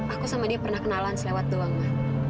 aku sama dia pernah kenalan selewat doang mah